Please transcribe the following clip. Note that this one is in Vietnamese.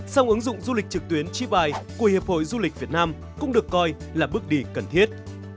song ứng dụng du lịch trực tuyến chibai của hiệp hội du lịch việt nam cũng được coi là bước đi cần thiết